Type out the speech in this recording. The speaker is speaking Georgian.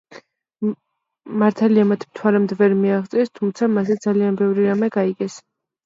მართალია, მათ მთვარემდე ვერ მიაღწიეს, თუმცა მასზე ძალიან ბევრი რამ გაიგეს.